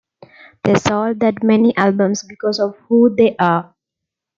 They sold that many albums because of who they are.